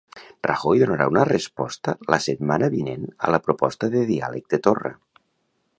Rajoy donarà una resposta la setmana vinent a la proposta de diàleg de Torra.